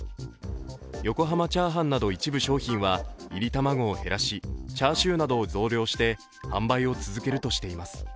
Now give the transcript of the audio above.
横濱チャーハンなど一部商品はいり卵を減らしチャーシューなどを増量して販売を続けるとしています。